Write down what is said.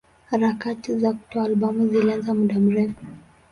Harakati za kutoa albamu zilianza muda mrefu.